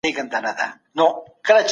د سياسي ګوندونو په ناسمو ژمنو مه غولېږئ.